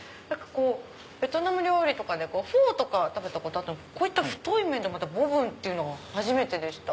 ベトナム料理でフォーとかは食べたことあってもこういった太い麺でボブンというのは初めてでした。